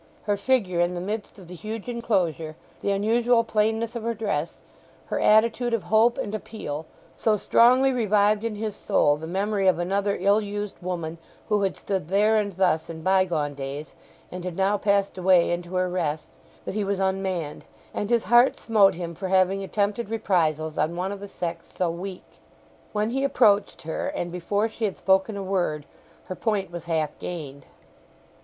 Her figure in the midst of the huge enclosure, the unusual plainness of her dress, her attitude of hope and appeal, so strongly revived in his soul the memory of another ill used woman who had stood there and thus in bygone days, and had now passed away into her rest, that he was unmanned, and his heart smote him for having attempted reprisals on one of a sex so weak. When he approached her, and before she had spoken a word, her point was half gained.